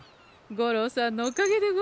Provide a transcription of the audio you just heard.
五郎さんのおかげでござんす。